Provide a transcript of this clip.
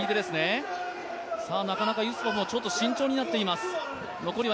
なかなか、ユスポフも慎重になっています。